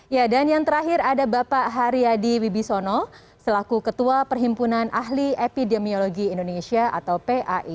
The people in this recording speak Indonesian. ya dan yang terakhir ada bapak haryadi wibisono selaku ketua perhimpunan ahli epidemiologi indonesia atau pai